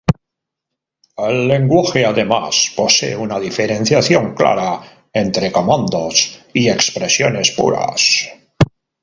El lenguaje además posee una diferenciación clara entre comandos y expresiones puras.